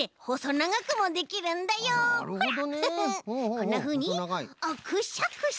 こんなふうにあっくしゃくしゃ。